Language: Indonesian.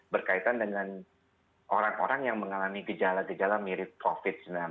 berkaitan dengan orang orang yang mengalami gejala gejala mirip covid sembilan belas